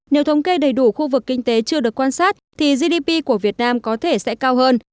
nếu thống kê đầy đủ khu vực kinh tế chưa được quan sát thì gdp của việt nam có thể sẽ cao hơn